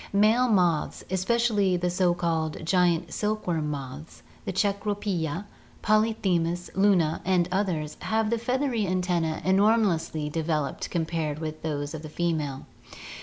Male moths, especially the so called giant silk worm moths, the cecropia, polyphemus, luna, and others, have the feathery antenna; enor mously developed compared with those of the female.